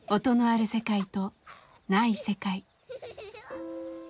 音のある世界とない世界。